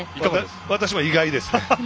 私も意外ですね。